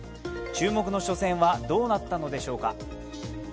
注目の初戦はどうなったのでしょうか。